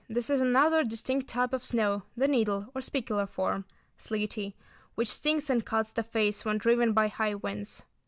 This is another distinct type of snow, the needle, or spicular form—sleety, which stings and cuts the face when driven by high winds.